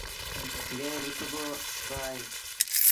گيه وڪبو با اهي۔